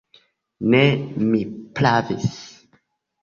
Ne, mi pravis!